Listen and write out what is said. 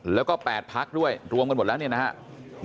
แล้วก็๘พักด้วยรวมกันหมดแล้วเนี่ยนะครับ